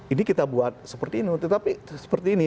ini kita buat seperti ini